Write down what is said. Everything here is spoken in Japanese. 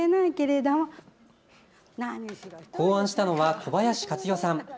考案したのは小林カツ代さん。